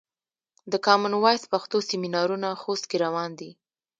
د کامن وایس پښتو سمینارونه خوست کې روان دي.